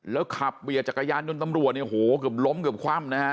แล้วขับเบียดจักรยานยนต์ตำรวจเนี่ยโหเกือบล้มเกือบคว่ำนะฮะ